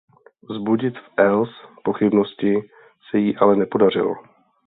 Vzbudit v Else pochybnosti se jí ale nepodaří.